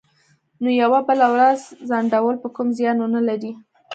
نو یوه بله ورځ ځنډول به کوم زیان ونه لري